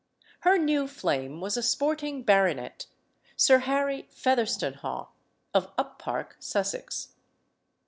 Her new flame was a sporting baronet, Sir Harry Featherstonhaugh, of Up Park, Sussex.